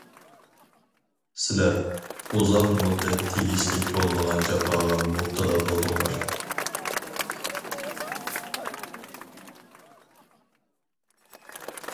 سىلەر ئۇزاق مۇددەت تېگىشلىك بولمىغان جاپاغا مۇپتىلا بولدۇڭلار.